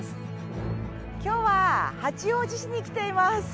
今日は八王子市に来ています。